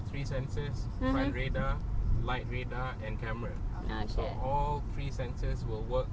ทั้ง๓เซนเซอร์จะทำงานบางอย่างให้รู้จักที่ในลูก